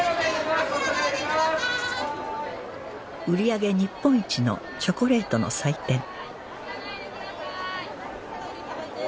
売り上げ日本一のチョコレートの祭典